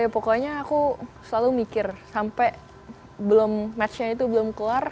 pokoknya aku selalu mikir sampai matchnya itu belum keluar